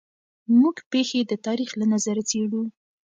موږ پېښې د تاریخ له نظره څېړو.